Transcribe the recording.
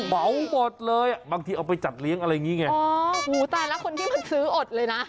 เหมาอ่บอดเลยบางทีเอาไปจัดเลี้ยงอะไรงี้ไงอ๋อเจอนักคนที่ไปซื้ออดเลยนะ